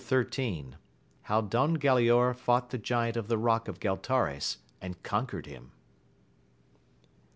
Xm.— How Don Galaor fought the GHant of the Bock of Gh.Itare8 and conquered him.